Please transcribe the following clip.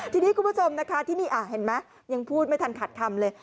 ทีนี้คุณผู้ชมนะคะที่นี่เห็นไหมยังพูดไม่ทันขัดคำเลย